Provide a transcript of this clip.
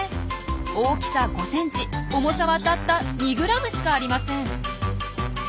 大きさ５ｃｍ重さはたった２ｇしかありません。